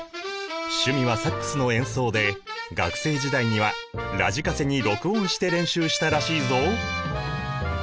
趣味はサックスの演奏で学生時代にはラジカセに録音して練習したらしいぞ。